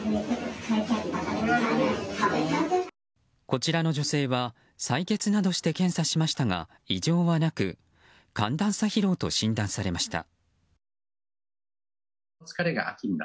こちらの女性は採血などして検査しましたが異常はなく寒暖差疲労と診断されました。